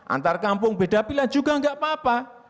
antar kampung beda pilihan juga enggak apa apa